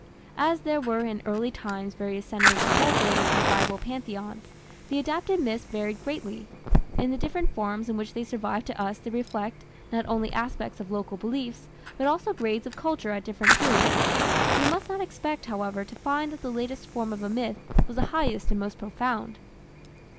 As there were in early times various centres of culture which had rival pantheons, the adapted myths varied greatly. In the different forms in which they survive to us they reflect, not only aspects of local beliefs, but also grades of culture at different periods. We must not expect, however, to find that the latest form of a myth was the highest and most profound.